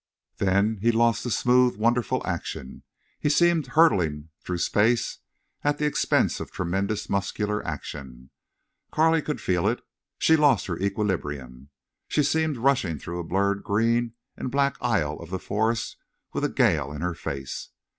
Then he lost the smooth, wonderful action. He seemed hurtling through space at the expense of tremendous muscular action. Carley could feel it. She lost her equilibrium. She seemed rushing through a blurred green and black aisle of the forest with a gale in her face.